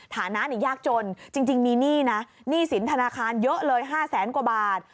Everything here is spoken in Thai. ฐานะยากจนจริงมีหนี้นะหนี้สินธนาคารเยอะเลย๕แสนกว่าบาท